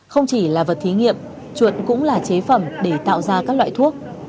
không chỉ là vật thí nghiệm chuộn cũng là chế phẩm để tạo ra các loại thuốc